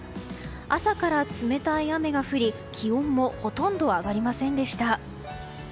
朝から冷たい雨が降り気温もほとんど上がりませんでした。